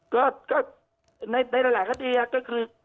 ก็ในหลายคดีก็คือ